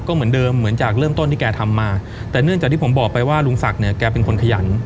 ก็เหมือนเดิมเหมือนจากเริ่มต้นที่แกทำมาแต่เนื่องจากที่ผมบอกไปว่าลุงศักดิ์เนี่ยแกเป็นคนขยัน